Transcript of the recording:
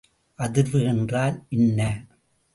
அதிர்வு என்றால் என்ன?